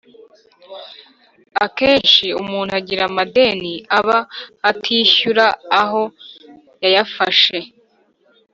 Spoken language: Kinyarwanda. Akenshi umuntu ugira amadeni aba atishyura aho yayafashe